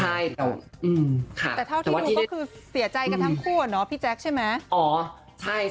แต่เท่าที่ดูก็คือเสียใจกันทั้งคู่อะเนาะพี่แจ๊คใช่ไหม